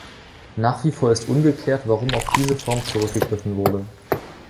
Nach wie vor ist ungeklärt, warum auf diese Form zurückgegriffen wurde.